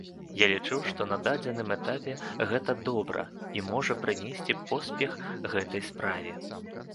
Я лічу, што на дадзеным этапе гэта добра, і можа прынесці поспех гэтай справе.